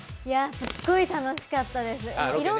すっごい楽しかったです。